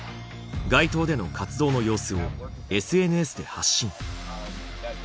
街頭での活動の様子をＳＮＳで発信。